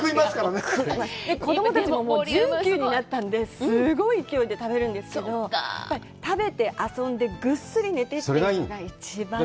子供たちも１９になったのですごい勢いで食べるんですけど、食べて、遊んで、ぐっすり寝てというのが一番いい。